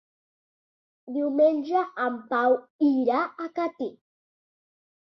Diumenge en Pau irà a Catí.